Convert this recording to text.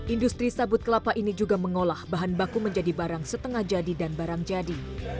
industri sabut kelapa ini juga mengolah bahan baku menjadi barang setengah jadi dan barang jadi